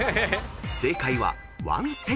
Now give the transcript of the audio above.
［正解は］